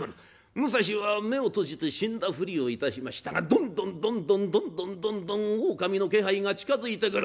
武蔵は目を閉じて死んだふりをいたしましたがどんどんどんどんどんどんどんどん狼の気配が近づいてくる。